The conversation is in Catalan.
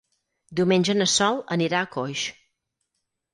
Diumenge na Sol anirà a Coix.